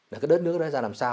là cái đất nước đó ra làm sao